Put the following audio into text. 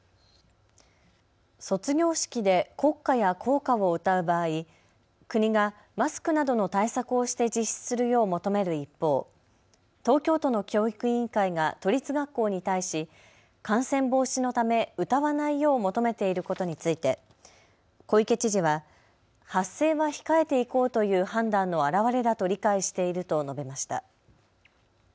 卒業式で国歌や校歌を歌う場合、国がマスクなどの対策をして実施するよう求める一方、東京都の教育委員会が都立学校に対し、感染防止のため歌わないよう求めていることについて小池知事は発声は控えていこうという判断の表れだと理解していると述べました。